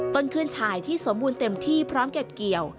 ขึ้นชายที่สมบูรณ์เต็มที่พร้อมเก็บเกี่ยว